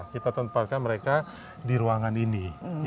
kita tempatkan mereka di ruangan ini